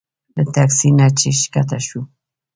له تکسي نه چې ښکته شوو.